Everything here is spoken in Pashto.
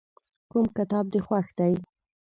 کوم کتاب دې خوښ دی.